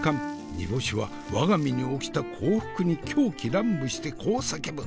煮干しは我が身に起きた幸福に狂喜乱舞してこう叫ぶ。